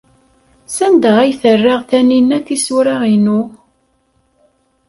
Sanda ay terra Taninna tisura-inu?